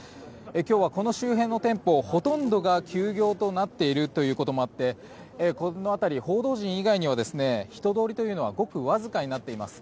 今日はこの周辺の店舗ほとんどが休業となっているということもあってこの辺り、報道陣以外には人通りというのはごくわずかになっています。